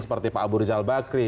seperti pak abu rizal bakri